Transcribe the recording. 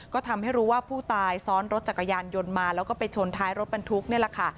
ก็ทำให้รู้ว่าผู้ตายซ้อนรถจักรยานยนต์มาแล้วก็ไปชนท้ายรถบรรทุกนี่แหละค่ะ